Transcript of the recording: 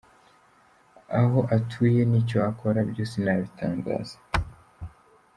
Aho atuye n’icyo akora byo sinabitangaza.